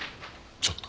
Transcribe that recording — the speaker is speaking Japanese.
ちょっと。